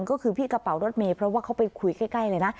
ก็คือพี่กระเป๋ารถเมย์เพราะว่าเขาไปคุยใกล้เลยนะ